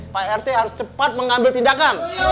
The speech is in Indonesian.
pak rt harus cepat mengambil tindakan